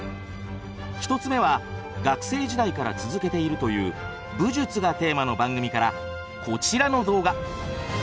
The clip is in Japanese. １つ目は学生時代から続けているという「武術」がテーマの番組からこちらの動画！